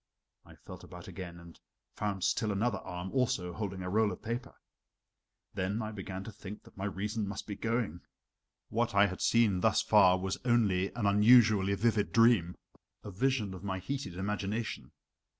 I felt about again, and found still another arm, also holding a roll of paper. Then I began to think that my reason must be going. What I had seen thus far was only an unusually vivid dream a vision of my heated imagination.